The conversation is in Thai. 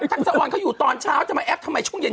ทักษะออนเขาอยู่ตอนเช้าจะมาแอปทำไมช่วงเย็น